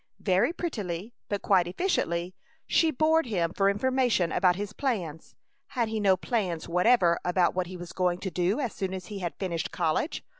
Very prettily, but quite efficiently, she bored him for information about his plans. Had he no plans whatever about what he was going to do as soon as he had finished college?